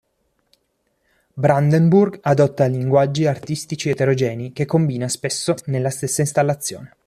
Brandenburg adotta linguaggi artistici eterogenei, che combina spesso nella stessa installazione.